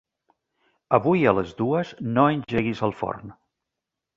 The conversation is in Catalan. Avui a les dues no engeguis el forn.